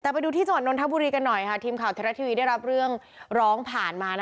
แต่ไปดูที่จังหวัดนทบุรีกันหน่อยค่ะทีมข่าวไทยรัฐทีวีได้รับเรื่องร้องผ่านมา